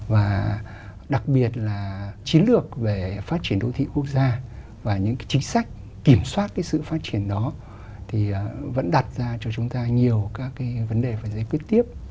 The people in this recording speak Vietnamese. và đặc biệt là chiến lược về phát triển đô thị quốc gia và những cái chính sách kiểm soát cái sự phát triển đó thì vẫn đặt ra cho chúng ta nhiều các cái vấn đề phải giải quyết tiếp